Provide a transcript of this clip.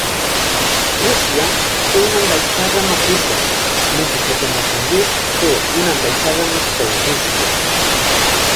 Rússia té una ambaixada a Maputo, mentre que Moçambic té una ambaixada a Moscou, Rússia.